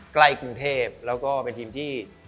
ใกล้กรุงเทพแล้วก็เป็นทีมที่